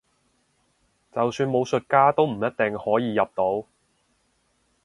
就算武術家都唔一定可以入到